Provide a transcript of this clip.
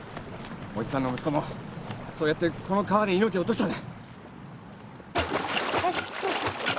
おじさんの息子もそうやってこの川で命を落としたんだ。